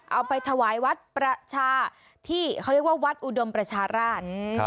เอาไปถวายวัดประชาที่เขาเรียกว่าวัดอุดมประชาราช